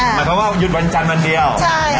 หมายความหยุดวันจันทร์วันเดียว